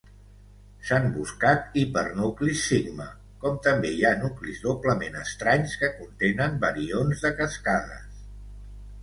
S'han buscat hipernuclis sigma, com també hi ha nuclis doblement estranys que contenen barions de cascades.